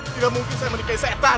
tidak mungkin saya menikahi setan